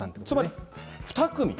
つまり２組？